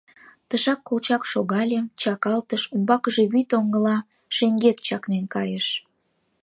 Тышак Колчак шогале, чакалтыш, умбакыже вӱд оҥгыла шеҥгек чакнен кайыш.